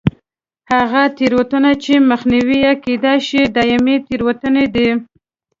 هغه تېروتنې چې مخنیوی یې کېدای شي دایمي تېروتنې دي.